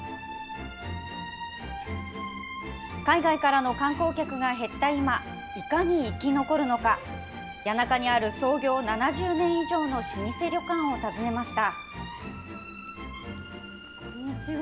海外からの観光客が減った今、いかに生き残るのか、谷中にある創業７０年以上の老舗旅館を訪ねました。